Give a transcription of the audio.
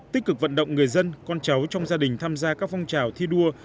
tích cực vận động người dân con cháu trong gia đình tham gia các phong trào thi đua